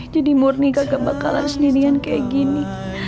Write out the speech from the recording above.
jadi murni kagak bakalan sendirian kayak gini